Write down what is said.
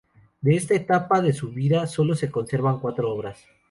De esta última etapa de su vida sólo se conservan cuatro obras.